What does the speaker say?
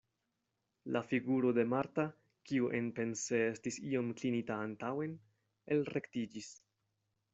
La figuro de Marta, kiu enpense estis iom klinita antaŭen, elrektiĝis.